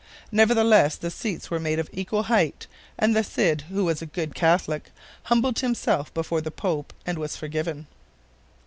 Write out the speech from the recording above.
Nevertheless, the seats were made of equal height, and the Cid, who was a good Catholic, humbled himself before the Pope and was forgiven.